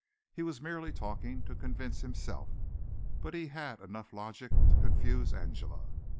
He was merely talking to convince himself, but he had enough logic to confuse Angela.